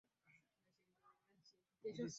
kijana huyo aliiweka katika kumbukumbu yake